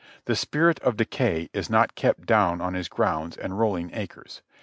The spirit of decay is not kept down on his grounds and rolling acres.